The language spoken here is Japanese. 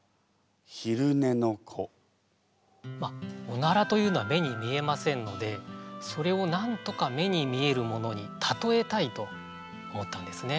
おならというのは目に見えませんのでそれをなんとか目に見えるものに例えたいと思ったんですね。